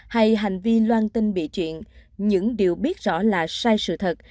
hay hành vi loan tin bị chuyện những điều biết rõ là sai sự thật